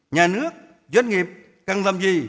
nhà nước doanh nghiệp cần làm gì